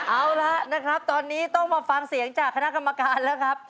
เอาละนะครับตอนนี้ต้องมาฟังเสียงจากคณะกรรมการแล้วครับ